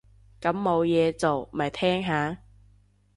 咁冇嘢做，咪聽下